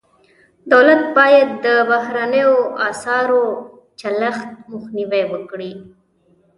دولت باید د بهرنیو اسعارو چلښت مخنیوی وکړي.